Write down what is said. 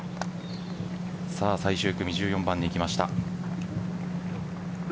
最終組、１４番に来ました。